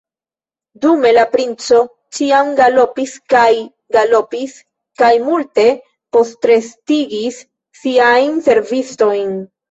Dume la princo ĉiam galopis kaj galopis kaj multe postrestigis siajn servistojn.